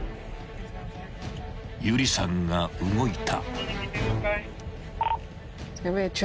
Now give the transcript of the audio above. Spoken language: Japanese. ［有理さんが動いた］